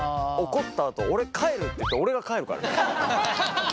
怒ったあと俺帰るって言って俺が帰るからね。